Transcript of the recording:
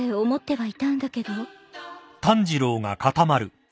はい！